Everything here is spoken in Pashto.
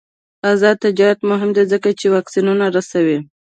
آزاد تجارت مهم دی ځکه چې واکسینونه رسوي.